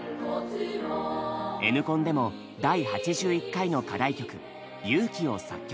Ｎコンでも第８１回の課題曲「ゆうき」を作曲。